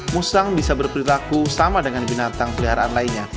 musang bisa berperilaku sama dengan binatang peliharaan lainnya